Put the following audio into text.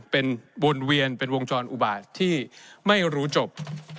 เป็นวนเวียนเป็นวงจรอุบาตที่ไม่รู้จบ